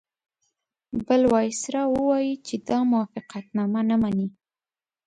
بل وایسرا ووایي چې دا موافقتنامه نه مني.